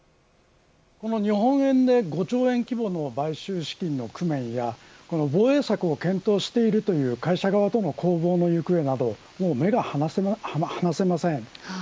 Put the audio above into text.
日本円で５兆円規模の買収資金の工面や防衛策を検討してるという会社との攻防の行方など目が離せません。